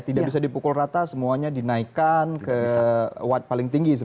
tidak bisa dipukul rata semuanya dinaikkan ke wad paling tinggi